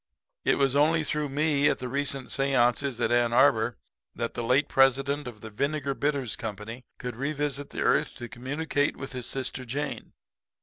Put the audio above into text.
It was only through me at the recent seances at Ann Arbor that the late president of the Vinegar Bitters Company could revisit the earth to communicate with his sister Jane.